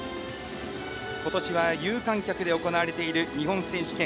今年は有観客で行われている日本選手権。